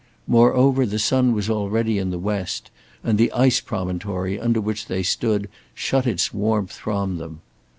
Moreover, the sun was already in the West, and the ice promontory under which they stood shut its warmth from them.